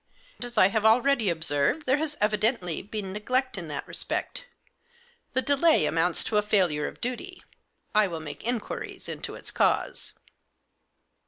" As I have already observed, there has evidently been neglect in that respect. The delay amounts to a failure of duty. I will make inquiries into its cause."